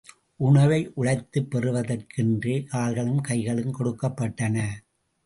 உணவை உழைத்துப் பெறுவதற்கு என்றே கால்களும் கைகளும் கொடுக்கப்பட்டன.